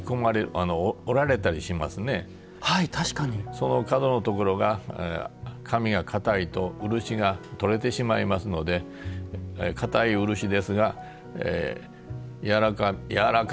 その角のところが紙が硬いと漆が取れてしまいますので硬い漆ですが軟らかみって言うのかな？